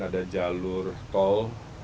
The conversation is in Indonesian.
ada jalur tol